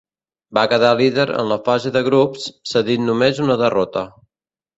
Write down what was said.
Va quedar líder en la fase de grups, cedint només una derrota.